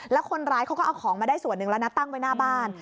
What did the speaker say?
แล้วคนร้ายเขาก็เอาของมาได้ส่วนหนึ่งแล้วนะตั้งไว้หน้าบ้าน